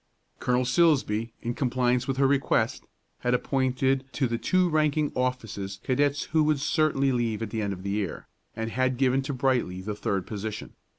Colonel Silsbee, in compliance with her request, had appointed to the two ranking offices cadets who would certainly leave at the end of the year, and had given to Brightly the third position.